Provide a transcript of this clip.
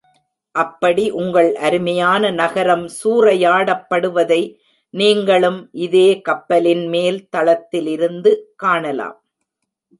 அப்படி உங்கள் அருமையான நகரம் சூறையாடப்படுவதை நீங்களும் இதே கப்பலின் மேல் தளத்திலிருந்து காணலாம்.